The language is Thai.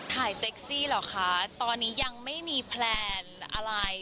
เซ็กซี่เหรอคะตอนนี้ยังไม่มีแพลนอะไร